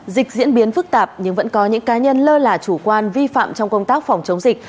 dịch diễn biến phức tạp nhưng vẫn có những cá nhân lơ là chủ quan vi phạm trong công tác phòng chống dịch